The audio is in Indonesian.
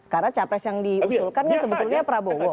karena capres yang diusulkan kan sebetulnya prabowo